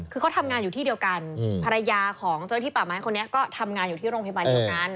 คือเขาทำงานอยู่ที่เดียวกันภรรยาของเจ้าหน้าที่ป่าไม้คนนี้ก็ทำงานอยู่ที่โรงพยาบาลเดียวกัน